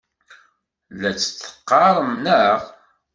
La tt-teqqarem, naɣ?